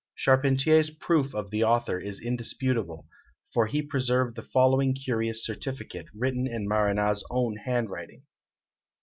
Charpentier's proof of the author is indisputable; for he preserved the following curious certificate, written in Marana's own handwriting.